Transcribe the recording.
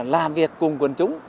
làm việc cùng quần chúng